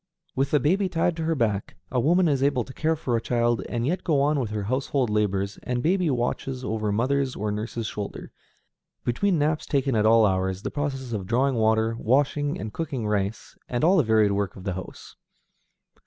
With the baby tied to her back, a woman is able to care for a child, and yet go on with her household labors, and baby watches over mother's or nurse's shoulder, between naps taken at all hours, the processes of drawing water, washing and cooking rice, and all the varied work of the house.